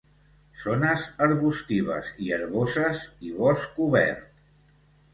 Zones arbustives i herboses i bosc obert.